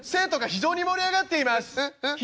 「非常に盛り上がっています。